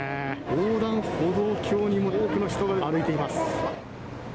横断歩道橋にも多くの人が歩いています。